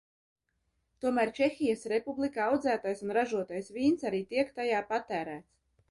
Tomēr Čehijas Republikā audzētais un ražotais vīns arī tiek tajā patērēts.